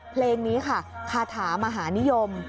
เพลงนี้ค่ะคาถามหานิยม